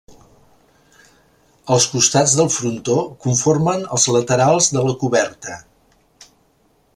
Els costats del frontó conformen els laterals de la coberta.